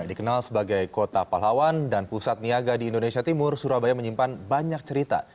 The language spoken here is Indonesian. dikenal sebagai kota pahlawan dan pusat niaga di indonesia timur surabaya menyimpan banyak cerita